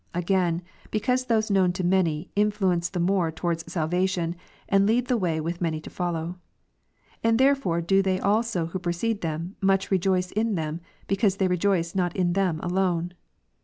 Again^ becavise those known to many, influence the more towards salvation, and lead the way with manyto follow. And therefore do they also who preceded them, much rejoice in them, because they rejoice not in them alone.